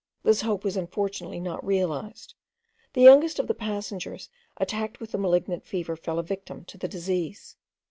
This hope was unfortunately not realised. The youngest of the passengers attacked with the malignant fever fell a victim to the disease.